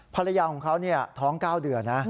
ภรรยาของเขาท้อง๙เดือนนะ